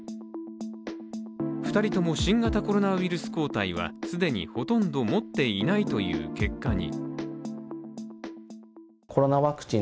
２人とも新型コロナウイルス抗体は既にほとんど持っていないという結果に。